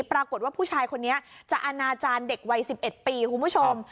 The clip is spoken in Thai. ปรากฏว่าผู้ชายคนนี้จะอนาจารย์เด็กวัย๑๑ปีคุณผู้ชม